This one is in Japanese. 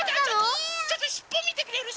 ちょっとしっぽみてくれる？